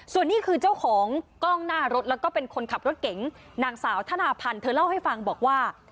ส่วนนี้คือเจ้าของกล้องหน้ารถแล้วก็เป็นคนขับรถเก๋งนางสาวธนาพันธ์เธอเล่าให้ฟังบอกว่า